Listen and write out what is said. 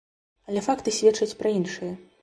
Але факты сведчаць пра іншае.